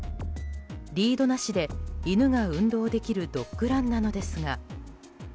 リードなしで犬が運動できるドッグランなのですが。